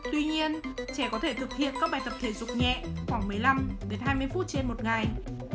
tuy nhiên trẻ có thể thực hiện các bài tập thể dục nhẹ khoảng một mươi năm đến hai mươi phút trên một ngày